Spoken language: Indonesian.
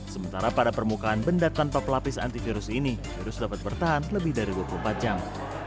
sementara pada permukaan benda tanpa pelapis antivirus ini virus dapat bertahan lebih dari dua puluh empat jam